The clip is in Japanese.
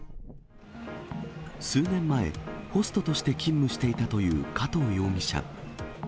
数年前、ホストとして勤務していたという加藤容疑者。